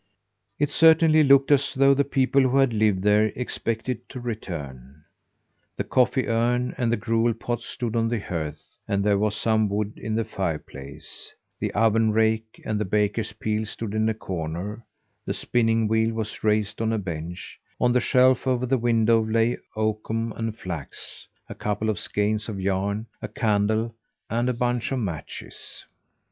It certainly looked as though the people who had lived there expected to return. The coffee urn and the gruel pot stood on the hearth, and there was some wood in the fireplace; the oven rake and baker's peel stood in a corner; the spinning wheel was raised on a bench; on the shelf over the window lay oakum and flax, a couple of skeins of yarn, a candle, and a bunch of matches.